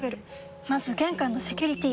まず玄関のセキュリティ！